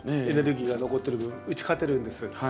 エネルギーが残ってる分打ち勝てるんです。